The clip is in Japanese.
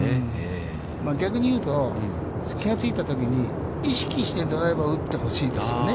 逆に言うと、気づいたときに、意識してドライバーを打ってほしいですよね。